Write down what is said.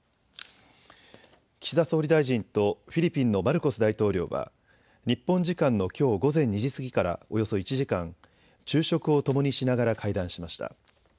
岸田総理大臣とフィリピンのマルコス大統領は日本時間のきょう午前２時過ぎからおよそ１時間、昼食をともにしながら会談しました。